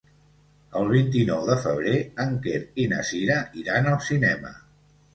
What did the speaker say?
El vint-i-nou de febrer en Quer i na Cira iran al cinema.